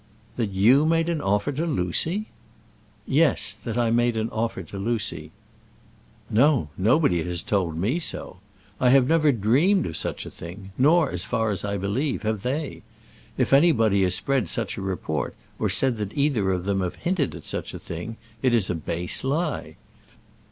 "That you made an offer to Lucy?" "Yes, that I made an offer to Lucy." "No; nobody has told me so. I have never dreamed of such a thing; nor, as far as I believe, have they. If anybody has spread such a report, or said that either of them have hinted at such a thing, it is a base lie.